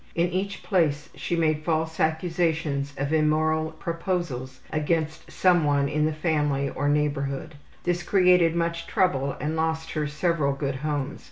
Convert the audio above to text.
In each place she made false accusations of immoral proposals against some one in the family or neighborhood. This created much trouble and lost her several good homes.